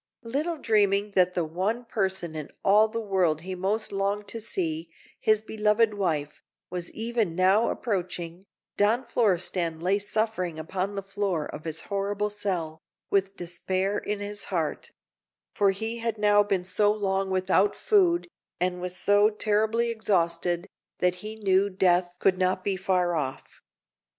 Little dreaming that the one person in all the world he most longed to see, his beloved wife, was even now approaching, Don Florestan lay suffering upon the floor of his horrible cell, with despair in his heart; for he had now been so long without food, and was so terribly exhausted, that he knew death could not be far off.